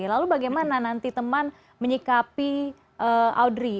lalu bagaimana nanti teman menyikapi audrey